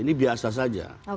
ini biasa saja